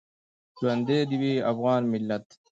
ژوندی دې وي افغان ملت؟